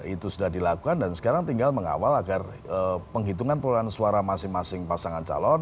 itu sudah dilakukan dan sekarang tinggal mengawal agar penghitungan perolahan suara masing masing pasangan calon